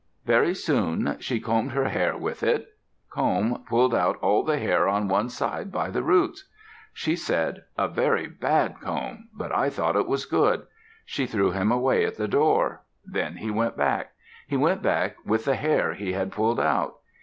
Very soon she combed her hair with it. Comb pulled out all the hair on one side by the roots. She said, "A very bad comb, but I thought it was good." She threw him away at the door. Then he went back. He went back with the hair he had pulled out.